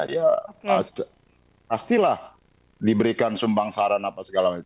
ya pastilah diberikan sumpang saran apa segala macam